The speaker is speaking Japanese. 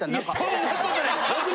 そんなことない。